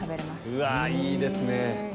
うわいいですね。